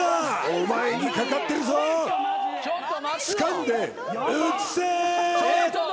お前にかかってるぞつかんで移せー！